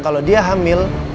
kalau dia hamil